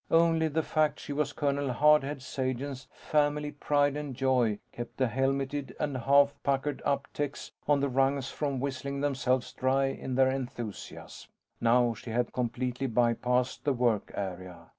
Only the fact she was Colonel "Hard Head" Sagen's family pride and joy kept the helmeted and half puckered up techs on the rungs from whistling themselves dry in their enthusiasm. Now, she had completely bypassed the work area.